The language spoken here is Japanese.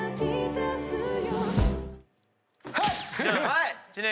はい！